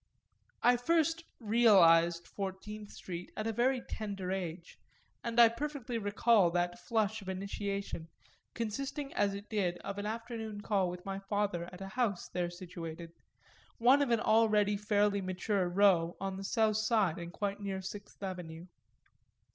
I first "realised" Fourteenth Street at a very tender age, and I perfectly recall that flush of initiation, consisting as it did of an afternoon call with my father at a house there situated, one of an already fairly mature row on the south side and quite near Sixth Avenue.